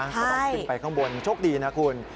ก็ต้องขึ้นไปข้างบนโชคดีนะคุณ